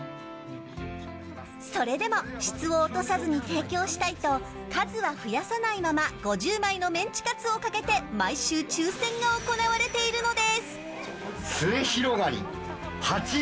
それでも質を落とさずに提供したいと数は増やさないまま５０枚のメンチカツをかけて毎週抽選が行われているのです。